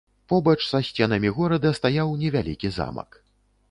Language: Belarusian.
Побач са сценамі горада стаяў невялікі замак.